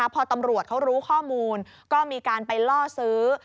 พอตำรวจเขารู้ข้อมูลก็มีการไปล่อซื้อ